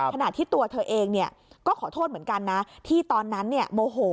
ถนัดที่ตัวเธอเองเนี่ยก็ขอโทษเหมือนกันนะที่ตอนนั้นเนี่ย